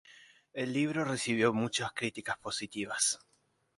El libro recibió muchas críticas positivas.